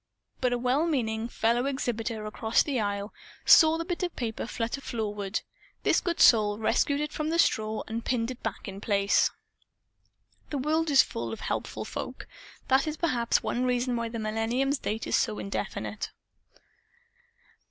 But a well meaning fellow exhibitor, across the aisle, saw the bit of paper flutter floorward. This good soul rescued it from the straw and pinned it back in place. (The world is full of helpful folk. That is perhaps one reason why the Millennium's date is still so indefinite.)